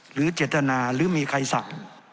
หรือเจตนาหรือมีใครสั่ง